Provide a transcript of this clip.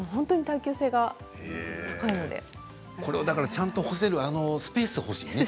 これをちゃんと干せるスペースが欲しいね